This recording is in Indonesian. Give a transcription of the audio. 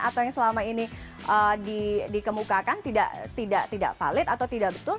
atau yang selama ini dikemukakan tidak valid atau tidak betul